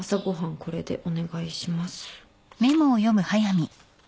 これでお願いします」